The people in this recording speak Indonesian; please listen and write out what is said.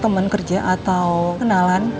teman kerja atau kenalan